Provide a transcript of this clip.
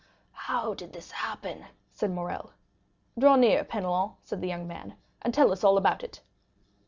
"How did this happen?" said Morrel. "Draw nearer, Penelon," said the young man, "and tell us all about it."